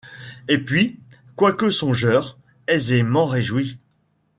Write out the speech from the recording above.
Et puis, quoique songeur, aisément réjoui